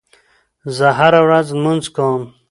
زه هره ورځ لمونځ کوم.